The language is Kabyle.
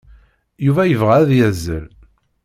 Yuba yebɣa ad yazzel.